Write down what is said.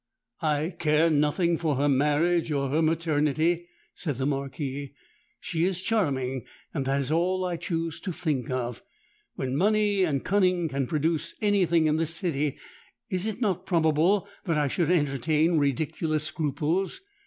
—'I care nothing for her marriage or her maternity,' said the Marquis: 'she is charming, and that is all I choose to think of. When money and cunning can produce any thing in this city, it is not probable that I should entertain ridiculous scruples.